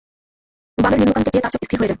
বামের নিম্নপ্রান্তে গিয়ে তার চোখ স্থির হয়ে যায়।